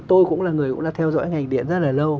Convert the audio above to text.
tôi cũng là người cũng đã theo dõi ngành điện rất là lâu